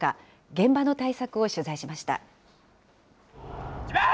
現場の対策を取材しました。